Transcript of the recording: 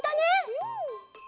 うん！